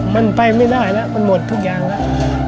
มันไปไม่ได้แล้วมันหมดทุกอย่างแล้ว